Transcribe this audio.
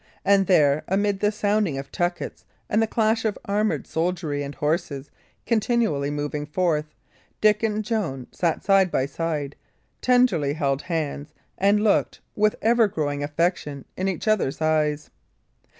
And there, amid the sounding of tuckets and the clash of armoured soldiery and horses continually moving forth, Dick and Joan sat side by side, tenderly held hands, and looked, with ever growing affection, in each other's eyes.